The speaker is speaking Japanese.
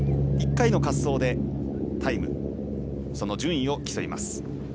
１回の滑走でタイム、順位を競います。